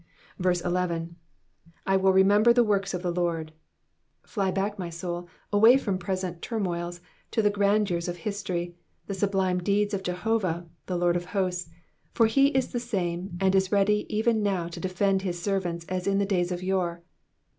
11. *'/ will remember the worJcs of the Lordy Fly back my soul, away from present turmoils, to the grandeurs of history, the sublime deeds of Jehovah, the Lord of Hosts ; for he is the same and is ready even now to defend his servants as in days of yore.